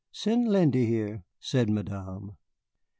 "Send Lindy here," said Madame.